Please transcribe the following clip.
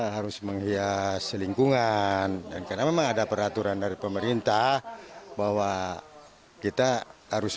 harus menghias lingkungan dan karena memang ada peraturan dari pemerintah bahwa kita harus